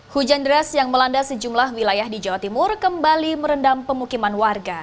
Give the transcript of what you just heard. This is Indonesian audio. hujan deras yang melanda sejumlah wilayah di jawa timur kembali merendam pemukiman warga